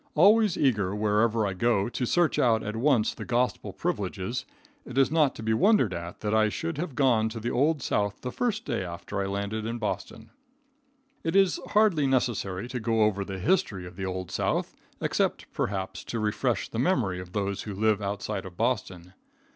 Always eager wherever I go to search out at once the gospel privileges, it is not to be wondered at, that I should have gone to the Old South the first day after I landed in Boston. It is hardly necessary to go over the history of the Old South, except, perhaps, to refresh the memory of those who live outside of Boston.